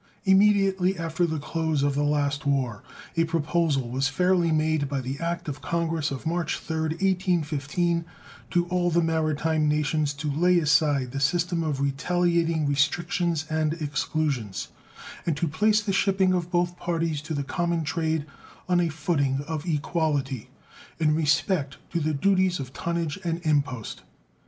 Immediately after the close of the last war a proposal was fairly made by the act of Congress of March 3rd, 1815, to all the maritime nations to lay aside the system of retaliating restrictions and exclusions, and to place the shipping of both parties to the common trade on a footing of equality in respect to the duties of tonnage and impost.